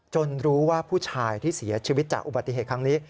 รู้ว่าผู้ชายที่เสียชีวิตจากอุบัติเหตุครั้งนี้